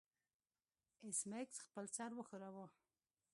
ایس میکس خپل سر وښوراوه